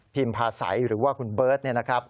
พิมพาสัยหรือว่าคุณเบิร์ตนะครับ